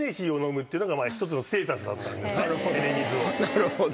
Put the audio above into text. なるほど。